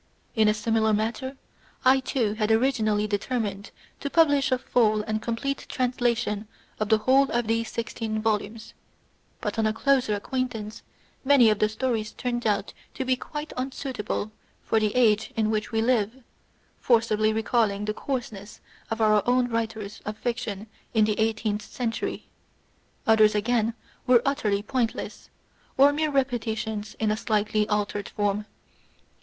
In a similar manner, I too had originally determined to publish a full and complete translation of the whole of these six teen volumes ; but on a closer acquaintance many of the stories turned out to be quite unsuitable for the age in which we live, forcibly recalling the coarseness of our own writers of fiction in the last century. Others again were utterly pointless, or mere repetitions in a slightly altered form.